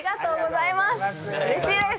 うれしいです。